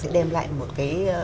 sẽ đem lại một cái